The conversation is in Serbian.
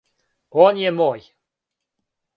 Он је мој?